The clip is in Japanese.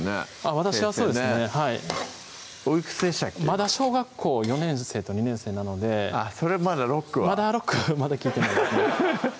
まだ小学校４年生と２年生なのでそれはまだロックはまだロック聴いてないですね